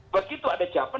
begitu ada jawaban